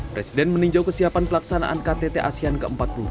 presiden meninjau kesiapan pelaksanaan ktt asean ke empat puluh dua